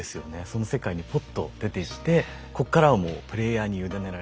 その世界にぽっと出ていってこっからはもうプレイヤーに委ねられる。